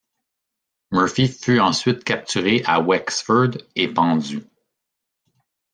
Murphy fut ensuite capturé à Wexford et pendu.